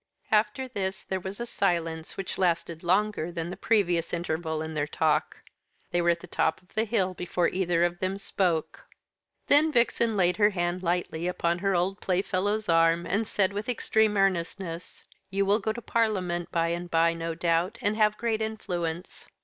After this there was a silence which lasted longer than the previous interval in their talk. They were at the top of the ill before either of them spoke. Then Vixen laid her hand lightly upon her old playfellow's arm, and said, with extreme earnestness: "You will go into Parliament by and by, no doubt, and have great influence.